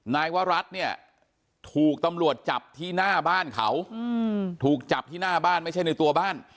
นายวรัฐเนี่ยถูกตำรวจจับที่หน้าบ้านเขาถูกจับที่หน้าบ้านไม่ใช่ในตัวบ้าน